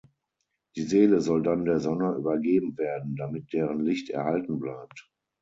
Die Seele soll dann der Sonne übergeben werden, damit deren Licht erhalten bleibt.